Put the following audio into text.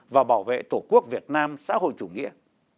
và bảo vệ tổ quốc việt nam xã hội chủ nghĩa